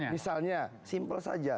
misalnya simple saja